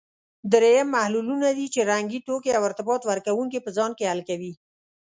دریم محللونه دي چې رنګي توکي او ارتباط ورکوونکي په ځان کې حل کوي.